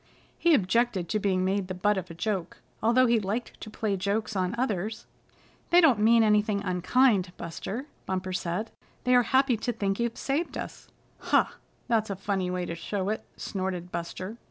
He objected to being made the butt of a joke, although he liked to play jokes on others. "They don't mean anything unkind, Buster," Bumper said. "They are happy to think you've saved us." "Huh! That's a funny way to show it," snorted Buster.